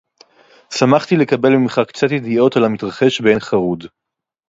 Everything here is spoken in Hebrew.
שָׂמַחְתִּי לְקַבֵּל מִמְּךָ קְצָת יְדִיעוֹת עַל הַמִּתְרַחֵשׁ בעין-חרוד